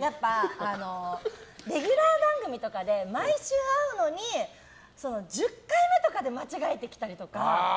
やっぱレギュラー番組とかで毎週会うのに１０回目とかで間違えてきたりとか。